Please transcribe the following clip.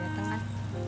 lo modus kan